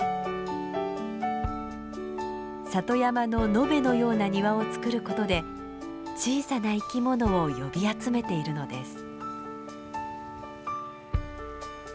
里山の野辺のような庭をつくることで小さな生き物を呼び集めているのです。